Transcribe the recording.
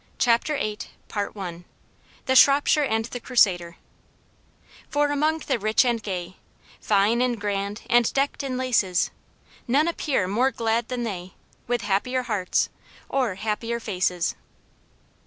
CHAPTER VIII The Shropshire and the Crusader "For, among the rich and gay, Fine, and grand, and decked in laces, None appear more glad then they, With happier hearts, or happier faces."